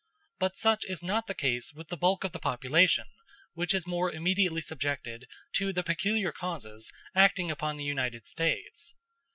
But such is not the case with the bulk of the population, which is more immediately subjected to the peculiar causes acting upon the United States.